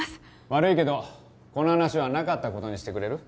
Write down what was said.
悪いけどこの話はなかったことにしてくれる？